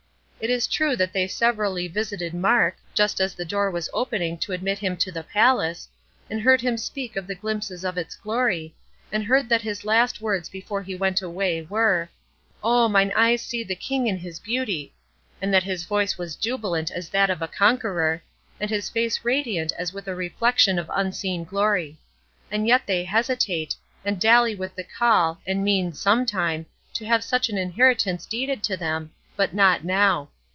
It is true that they severally visited Mark, just as the door was opening to admit him to the palace, and heard him speak of the glimpses of its glory, and heard that his last words before he went away were, "Oh, mine eyes see the King in his beauty!" and that his voice was jubilant as that of a conqueror, and his face radiant as with a reflection of unseen glory; and yet they hesitate, and dally with the call, and mean, some time, to have such an inheritance deeded to them, but not now!